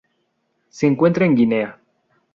Se encuentra en Guinea.